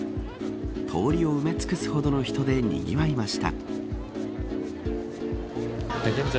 通りを埋め尽くすほどの人でにぎわいました。